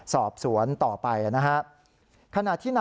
สอบสวนต่อไป